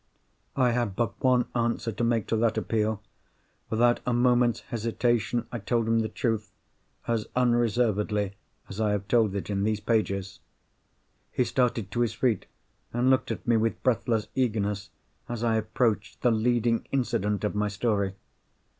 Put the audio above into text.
I had but one answer to make to that appeal. Without a moment's hesitation I told him the truth, as unreservedly as I have told it in these pages. He started to his feet, and looked at me with breathless eagerness as I approached the leading incident of my story.